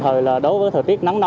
chia đầy đủ từng phần rau củ quả